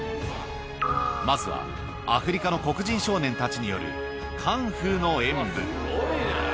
まずはアフリカの黒人少年たちによるカンフーの演武。